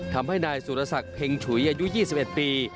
ทำให้นายสุรศักดิ์เพ็งฉุยอายุ๒๑ปี